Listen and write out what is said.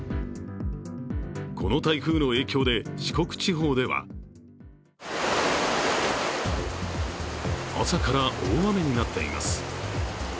この台風の影響で四国地方では朝から大雨になっています。